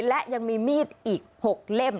และยังมีมีดอีก๖เล่ม